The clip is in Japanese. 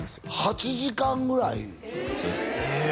８時間ぐらいそうですへえ